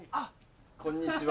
こんにちは。